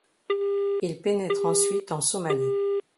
Il pénètre ensuite en Somalie.